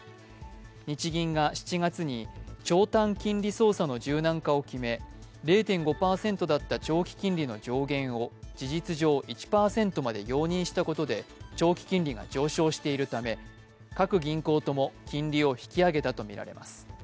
日銀が７月に長短金利操作の柔軟化を決め０．５％だった長期金利の上限を事実上１％まで容認したことで長期金利が上昇しているため各銀行とも金利を引き上げたとみられます。